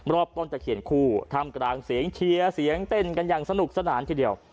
รอบต้นตะเขียนคู่ทำกลางเสียงเชียร์เสียงเต้นกันอย่างสนุกสนานทีเดียว